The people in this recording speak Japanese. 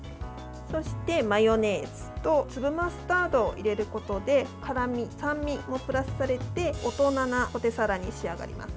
そして、マヨネーズと粒マスタードを入れることで辛み、酸味もプラスされて大人なポテサラに仕上がります。